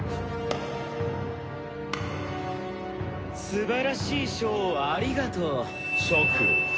素晴らしいショーをありがとう諸君。